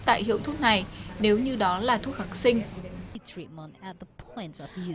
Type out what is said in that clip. tại hiệu thuốc này nếu như đó là thuốc kháng sinh